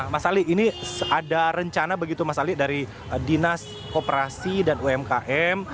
mas ali ini ada rencana begitu mas ali dari dinas koperasi dan umkm